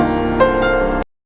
aku gak mengerin kata kata kamu "